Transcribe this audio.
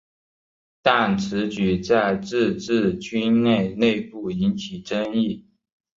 但此举在自治军内部引起争议。